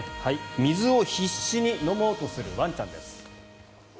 水を必死に飲もうとするワンちゃんです。